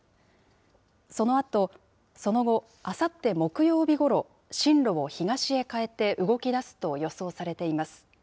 そのあと、その後、あさって木曜日ごろ、進路を東へ変えて動きだすと予想されています。